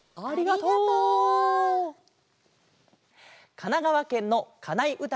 かながわけんのかないうた